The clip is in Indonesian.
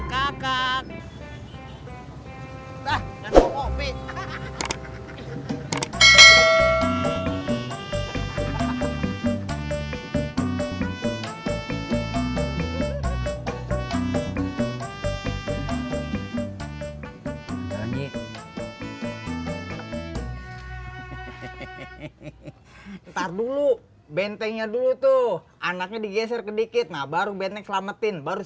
kakak kakak dulu bentengnya dulu tuh anaknya digeser ke dikit nah baru benek selamatin baru